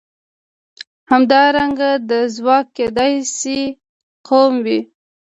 همدارنګه دا ځواک کېدای شي قوم وي.